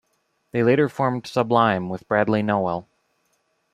They later formed Sublime with Bradley Nowell.